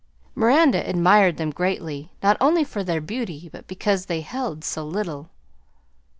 Miranda admired them greatly, not only for their beauty but because they held so little.